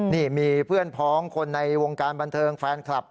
นี่มีเพื่อนพ้องคนในวงการบันเทิงแฟนคลับ